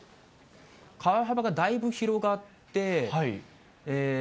川幅がだいぶ広がって。